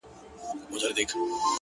• مرغۍ الوتې وه، خالي قفس ته ودرېدم ،